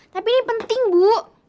tapi ini penting bu